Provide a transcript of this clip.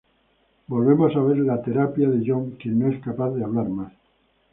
Volvemos a ver la terapia de John, quien no es capaz de hablar más.